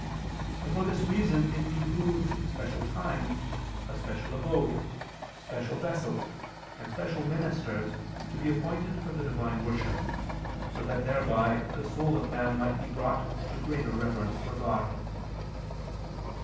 And for this reason it behooved special times, a special abode, special vessels, and special ministers to be appointed for the divine worship, so that thereby the soul of man might be brought to greater reverence for God.